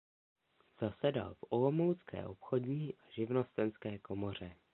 Zasedal v olomoucké obchodní a živnostenské komoře.